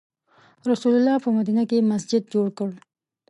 رسول الله په مدینه کې مسجد جوړ کړ.